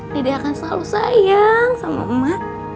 dede akan selalu sayang sama ma